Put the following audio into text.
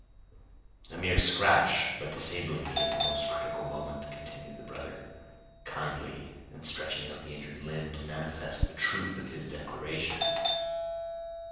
"A mere scratch, but disabling me at a most critical moment," continued the brother, kindly, and stretching out the injured limb to manifest the truth of his declaration.